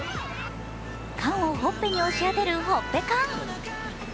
缶をほっぺに押し当てるほっぺ缶。